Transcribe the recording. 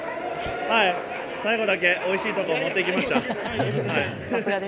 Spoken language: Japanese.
はい、最後だけおいしいところ持っていきました。